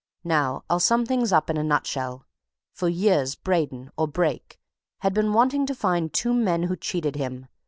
Now I'll sum things up in a nutshell: for years Braden, or Brake, had been wanting to find two men who cheated him.